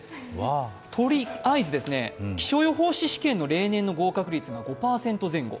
とりあえず、気象予報士試験の例年の合格率は５％前後。